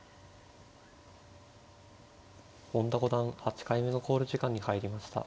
本田五段８回目の考慮時間に入りました。